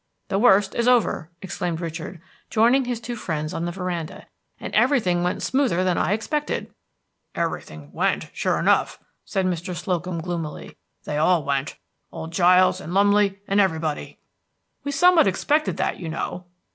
"The worst is over," exclaimed Richard, joining his two friends on the veranda, "and everything went smoother than I expected." "Everything went, sure enough," said Mr. Slocum, gloomily; "they all went, old Giles, and Lumley, and everybody." "We somewhat expected that, you know."